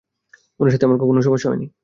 উনার সাথে আমার কখনও সমস্যা হয়নি।